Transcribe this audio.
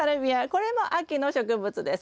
これも秋の植物です。